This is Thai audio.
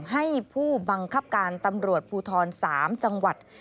ให้ผู้บังคับการตำรวจภูทร๓จังหวัด